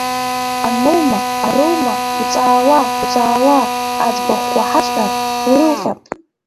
Аноума, ароума, уҵаала, уҵаала, аӡбахә уаҳаҵәҟьар, урылҟьап…